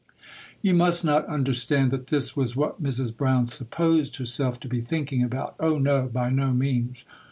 You must not understand that this was what Mrs. Brown supposed herself to be thinking about; oh, no! by no means!